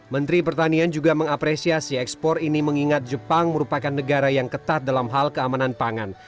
menteri pertanian juga mengapresiasi ekspor ini mengingat jepang merupakan negara yang ketat dalam hal keamanan pangan